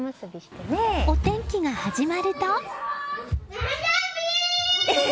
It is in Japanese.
お天気が始まると。